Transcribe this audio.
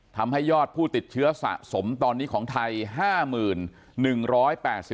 ทำให้ยอดผู้ติดเชื้อสะสมตอนนี้ของไทย๕๑๘๐